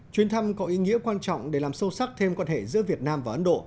chuyến thăm có ý nghĩa quan trọng để làm sâu sắc thêm quan hệ giữa việt nam và ấn độ